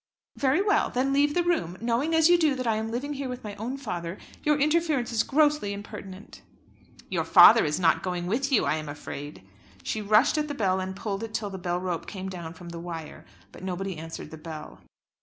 "Very well. Then leave the room. Knowing as you do that I am living here with my own father, your interference is grossly impertinent." "Your father is not going with you, I am afraid." She rushed at the bell and pulled it till the bell rope came down from the wire, but nobody answered the bell.